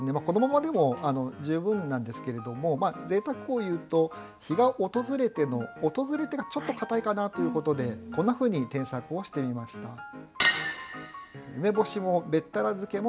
このままでも十分なんですけれどもぜいたくを言うと「日が訪れて」の「訪れて」がちょっとかたいかなということでこんなふうに添削をしてみました。